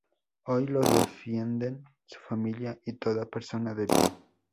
Hoy los defienden su familia y toda persona de bien.